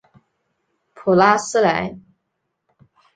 普拉斯莱。